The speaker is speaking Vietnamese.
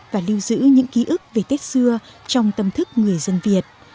và lưu giữ những ký ức về tết xưa trong tâm thức người dân việt